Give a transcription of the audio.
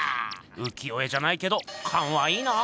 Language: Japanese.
浮世絵じゃないけどカンはいいなぁ。